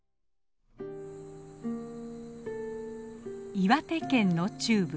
岩手県の中部。